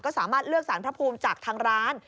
ก็สามารถเลือกสารพระภูมิจากทางร้าน